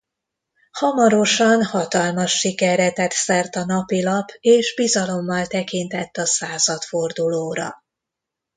Hamarosan hatalmas sikerre tett szert a napilap és bizalommal tekintett a századfordulóra.